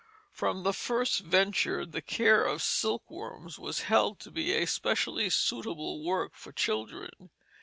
From the first venture the care of silkworms was held to be a specially suitable work for children.